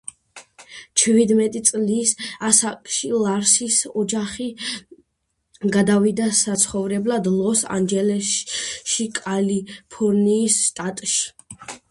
ჩვიდმეტი წლის ასაკში ლარსის ოჯახი გადავიდა საცხოვრებლად ლოს-ანჯელესში, კალიფორნიის შტატში.